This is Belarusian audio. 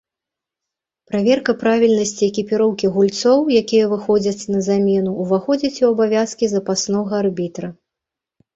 Праверка правільнасці экіпіроўкі гульцоў, якія выходзяць на замену, уваходзіць у абавязкі запаснога арбітра.